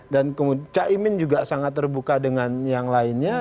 dan cak imin juga sangat terbuka dengan yang lainnya